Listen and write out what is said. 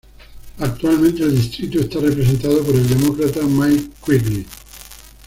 Actualmente el distrito está representado por el Demócrata Mike Quigley.